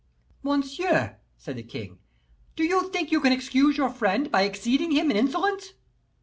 '" "Monsieur," said the king, "do you think you can excuse your friend by exceeding him in insolence?"